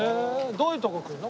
どういうとこ来るの？